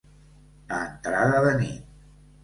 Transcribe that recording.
A entrada de nit.